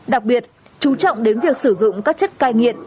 đặc biệt chú trọng đến việc sử dụng các chất cai nghiện